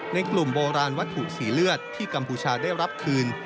ในกลุ่มโบราณวัตถุสีเลือดที่กัมพูชาได้รับคืน